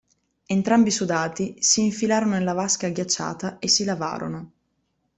Entrambi sudati, si infilarono nella vasca ghiacciata e si lavarono.